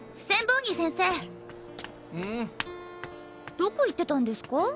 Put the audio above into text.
どこ行ってたんですか？